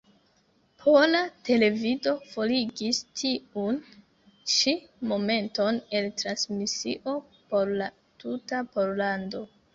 Pola Televido forigis tiun ĉi momenton el transmisio por la tuta Pollando.